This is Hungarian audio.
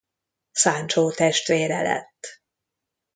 Sancho testvére lett.